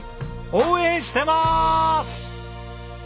応援してます！